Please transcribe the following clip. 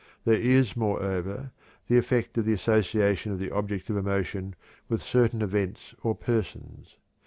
There is, moreover, the effect of the association of the object of emotion with certain events or persons.